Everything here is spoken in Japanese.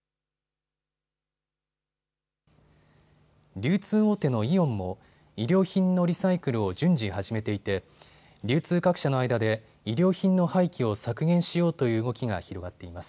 流通大手のイオンも衣料品のリサイクルを順次始めていて流通各社の間で衣料品の廃棄を削減しようという動きが広がっています。